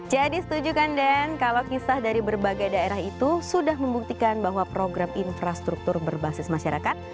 jadi setuju kan den kalau kisah dari berbagai daerah itu sudah membuktikan bahwa program infrastruktur berbasis masyarakat